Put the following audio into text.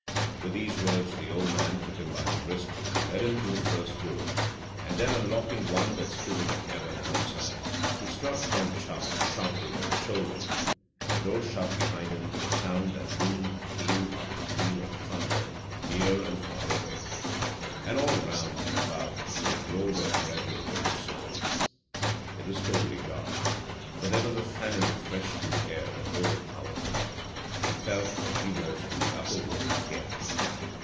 With these words the old man took him by the wrist and led him through the first door, and then unlocking one that stood in the cavern outside, he struck Tom Chuff sharply on the shoulder, and the door shut behind him with a sound that boomed peal after peal of thunder near and far away, and all round and above, till it rolled off gradually into silence. It was totally dark, but there was a fanning of fresh cool air that overpowered him. He felt that he was in the upper world again.